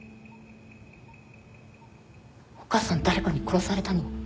お母さん誰かに殺されたの？